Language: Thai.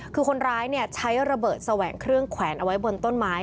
คือคนร้ายใช้ระเบิดแสวงเครื่องแขวนเอาไว้บนต้นไม้